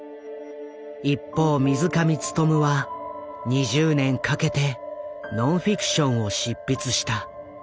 一方水上勉は２０年かけてノンフィクションを執筆した。